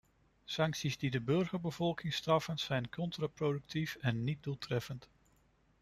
Sancties die de burgerbevolking straffen zijn contraproductief en niet doeltreffend.